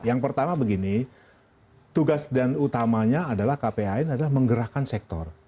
yang pertama begini tugas dan utamanya adalah kpan adalah menggerakkan sektor